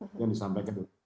itu yang disampaikan dokter